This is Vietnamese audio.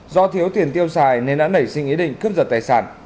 do thiếu tiền tiêu xài nên đã nảy sinh ý định cướp giật tài sản